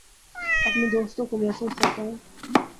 اپنے دوستوں کو محظوظ کرتا ہوں